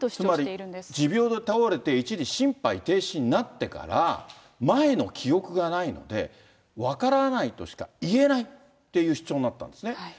つまり持病で倒れて、一時心肺停止になってから、前の記憶がないので、分からないとしか言えないっていう主張になったんですね。